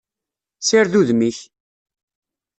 Sired udem-ik!